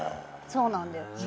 そうなんです。